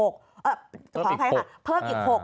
ขออภัยค่ะเพิ่มอีก๖